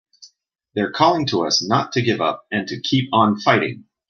They're calling to us not to give up and to keep on fighting!